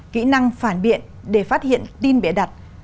kỹ năng phản biện để phát hiện tin bịa đặt